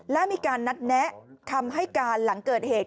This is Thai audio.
และมีการนัดแนะคำให้การหลังเกิดเหตุ